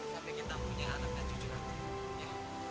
sampai kita punya anak dan cucu nanti ya